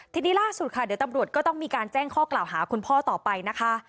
ทีนี้ล่าสุดค่ะเดี๋ยวตำรวจก็ต้องมีการแจ้งข้อกล่าวหาคุณพ่อต่อไปนะคะ